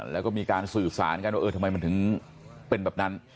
แล้วก็มีการสื่อสารกันว่าเออทำไมมันถึงเป็นแบบนั้น